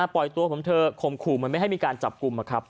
ปล่อยตัวผมเถอะข่มขู่เหมือนไม่ให้มีการจับกลุ่มนะครับ